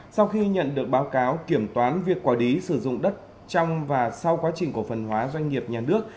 sau khi nhận được báo cáo kiểm toán việc quản lý sử dụng đất trong và sau quá trình cổ phần hóa doanh nghiệp nhà nước